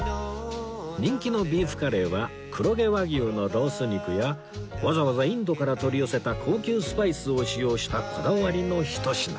人気のビーフカレーは黒毛和牛のロース肉やわざわざインドから取り寄せた高級スパイスを使用したこだわりのひと品